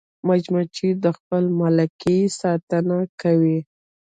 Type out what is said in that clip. مچمچۍ د خپل ملکې ساتنه کوي